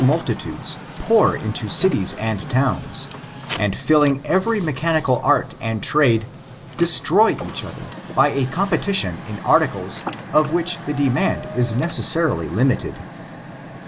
479 into cities and towns, and filling every mechanical art and trade, destroy each other by a com{>etition in articles of which the demand is necessarily limited."